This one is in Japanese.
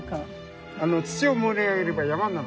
土を盛り上げれば山になる。